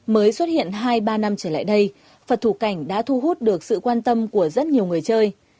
mới xuất hiện hai ba năm trở lại đây phật thủ cảnh đã thu hút được sự quan tâm của rất nhiều người chơi